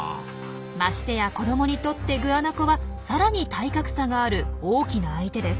ましてや子どもにとってグアナコはさらに体格差がある大きな相手です。